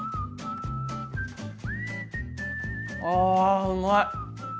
あうまい！